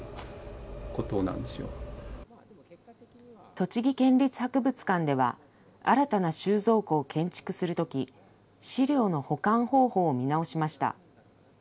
栃木県立博物館では、新たな収蔵庫を建築するとき、資料の保管方法を見直しました。